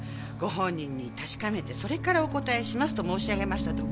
ご本人に確かめてそれからお答えしますと申し上げました